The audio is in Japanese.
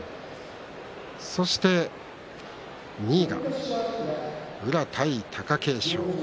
そして２位が宇良対貴景勝。